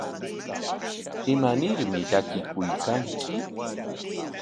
¿Imanarmi llakikuykanki?